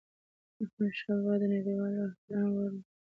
احمدشاه بابا د نړيوالو د احترام وړ و.